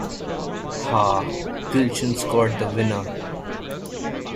Hugh Gilshan scored the winner.